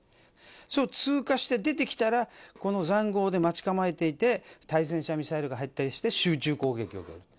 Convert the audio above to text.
それを通過して出てきたら、このざんごうで待ち構えていて、対戦車ミサイルが入ったりして集中攻撃を受ける。